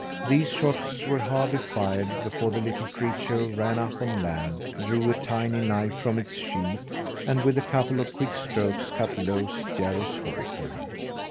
These shots were hardly fired before the little creature ran up on land, drew a tiny knife from its sheath, and, with a couple of quick strokes, cut loose Jarro's halter.